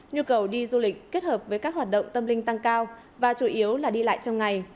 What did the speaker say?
nhu cầu đi du lịch kết hợp với các hoạt động tâm linh tăng cao và chủ yếu là đi lại trong ngày